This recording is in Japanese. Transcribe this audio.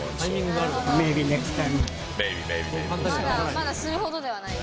まだするほどではないんだ。